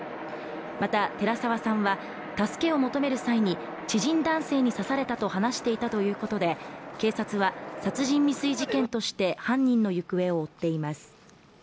また、寺沢さんは助けを求める際に知人男性に刺されたと話していたということで警察は殺人未遂事件として犯人の行方を追っています。